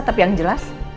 tapi yang jelas